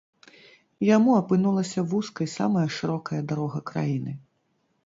Яму апынулася вузкай самая шырокая дарога краіны.